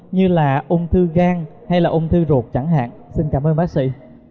như là ung thư gan hay là ung thư ruột chẳng hạn xin cảm ơn bác sĩ